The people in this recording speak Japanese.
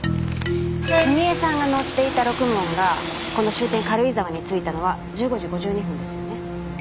澄江さんが乗っていたろくもんがこの終点軽井沢に着いたのは１５時５２分ですよね。